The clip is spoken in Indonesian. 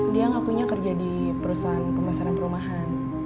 dia ngakunya kerja di perusahaan pemasaran perumahan